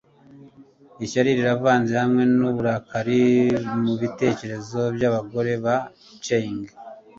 ishyari rivanze hamwe n'uburakari mubitekerezo by'abagore ba achieng